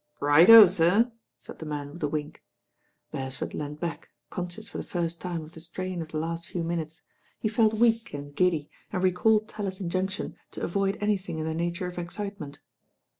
"Right o, sir," said the man with a wink. Beresford leaned back, conscious for the first time of the strain of the last few minutes. He felt weak and giddy, and recalled Tallis' injunction to avoid anything in the nature of excitement.